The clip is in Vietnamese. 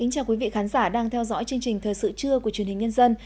chào các khán giả đang theo dõi chương trình thời sự trưa của truyền hình nhân dân